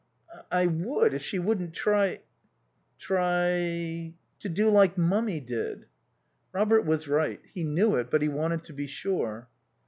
"I I would, if she wouldn't try " "Try?" "To do like Mummy did." Robert was right. He knew it, but he wanted to be sure.